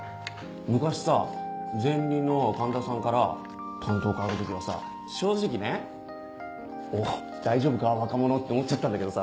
昔さ前任の環田さんから担当変わる時はさ正直ね「おっ大丈夫か？若者」って思っちゃったんだけどさ。